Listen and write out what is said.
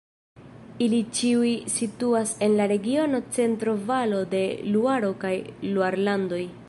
Ili ĉiuj situas en la regionoj Centro-Valo de Luaro kaj Luarlandoj.